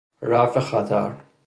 رفع خطر